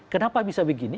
kenapa bisa begini